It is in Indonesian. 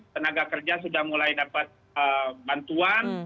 tenaga kerja sudah mulai dapat bantuan